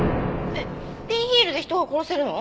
えっピンヒールで人を殺せるの？